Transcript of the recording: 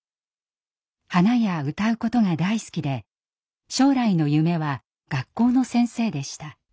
花や歌うことが大好きで将来の夢は学校の先生でした。